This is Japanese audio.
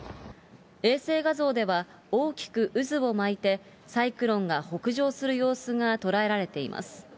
衛星画像では、大きく渦を巻いて、サイクロンが北上する様子が捉えられています。